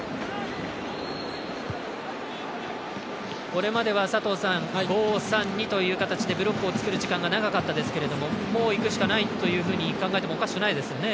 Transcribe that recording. これまでは５‐３‐２という形でブロックを作る時間が長かったですけどもういくしかないというふうに考えてもおかしくないですよね。